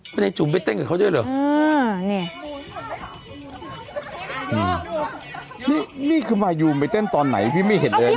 คุณไอ้จุ๋มไปเต้นกับเขาด้วยเหรออ่านี่นี่คือมายูมไปเต้นตอนไหนพี่ไม่เห็นเลย